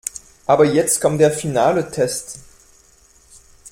Aber jetzt kommt der finale Test.